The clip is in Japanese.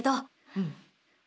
うん。